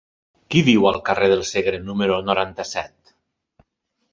Qui viu al carrer del Segre número noranta-set?